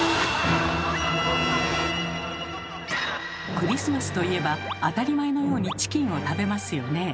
クリスマスといえば当たり前のようにチキンを食べますよね。